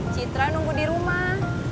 citra nunggu dirumah